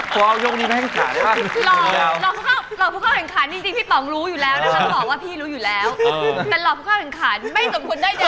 หล่อผู้เข้าแห่งขันจริงพี่ป๋องรู้อยู่แล้วนะครับแต่หล่อผู้เข้าแห่งขันไม่สมควรได้เลยครับ